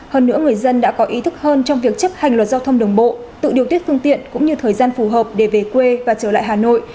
hơn nữa người dân đã có ý thức hơn trong việc chấp hành luật giao thông đường bộ tự điều tiết phương tiện cũng như thời gian phù hợp để về quê và trở lại hà nội